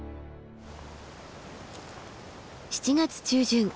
７月中旬